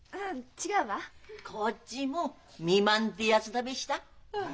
こっちも「未満」ってやつだべした。